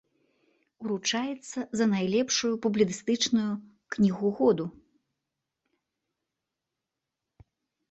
Уручаецца за найлепшую публіцыстычную кнігу году.